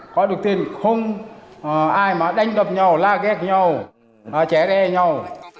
có đức tin không ai mà đánh đập nhau la ghét nhau trẻ đe nhau